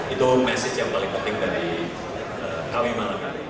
itu message yang paling penting dari kami malam hari